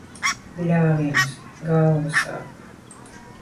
Bļāviens, galva sāp.